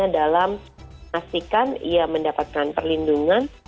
dalam pastikan ia mendapatkan perlindungan